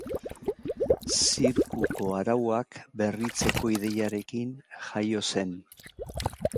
Zirkuko arauak berritzeko ideiarekin jaio zen.